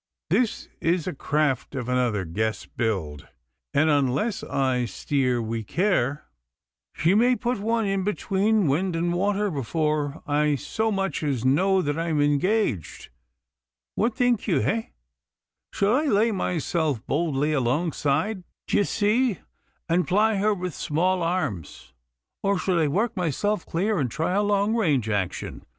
This is a craft of another guess build, and unless I steer wi' care she may put one in between wind and water before I so much as know that I am engaged. What think ye, heh? Should I lay myself boldly alongside, d'ye see, and ply her with small arms, or should I work myself clear and try a long range action?